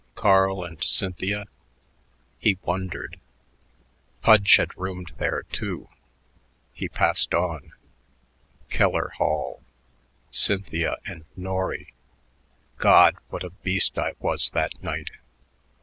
Carl and Cynthia? He wondered.... Pudge had roomed there, too. He passed on. Keller Hall, Cynthia and Norry.... "God, what a beast I was that night.